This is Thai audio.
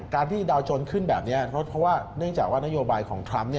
การที่ดาวโจรขึ้นแบบนี้เพราะว่าเนื่องจากว่านโยบายของทรัมป์